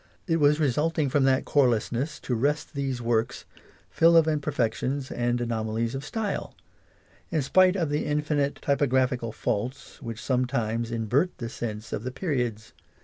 It was resulting from that corelessness to rest these Works fill of imperfections, and anomalies of style; in spite of the infinite typographical faults which some times, invert the sense of the periods.